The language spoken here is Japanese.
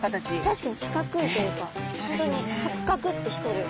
確かに四角いというか本当にカクカクってしてる。